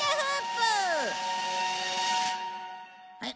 はい。